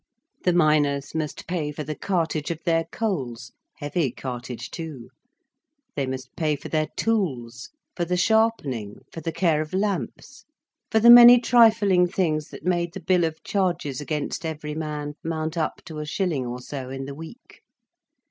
The miners must pay for the cartage of their coals, heavy cartage too; they must pay for their tools, for the sharpening, for the care of lamps, for the many trifling things that made the bill of charges against every man mount up to a shilling or so in the week.